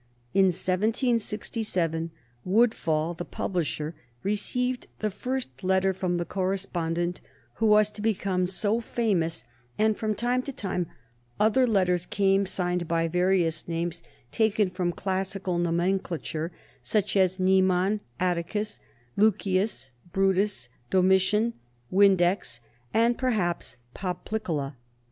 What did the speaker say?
In 1767 Woodfall, the publisher, received the first letter from the correspondent who was to become so famous, and from time to time other letters came signed by various names taken from classical nomenclature, such as Mnemon, Atticus, Lucius, Brutus, Domitian, Vindex, and, perhaps, Poplicola.